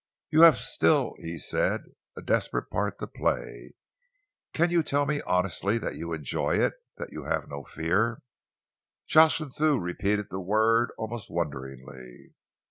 "You have still," he said, "a desperate part to play. Can you tell me honestly that you enjoy it, that you have no fear?" Jocelyn Thew repeated the word almost wonderingly.